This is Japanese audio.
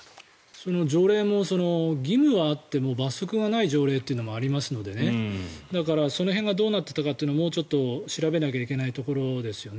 その条例も義務はあっても罰則がない条例ってのもありますのでだからその辺がどうなっていたかというのももうちょっと調べなきゃいけないところですよね。